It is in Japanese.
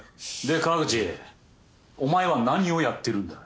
で河口お前は何をやってるんだ？